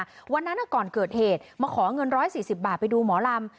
วันนั้นก่อนเกิดเหตุมาขอเงิน๑๔๐บาทไปดูหมอลำ